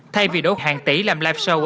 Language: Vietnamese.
thay vì đổ hàng tỷ làm live show